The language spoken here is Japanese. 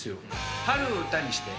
「春を歌にして」